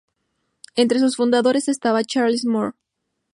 Entre sus fundadores estaba Charles Moore.